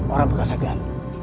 orang berasa segan